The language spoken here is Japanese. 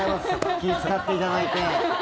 気遣っていただいて。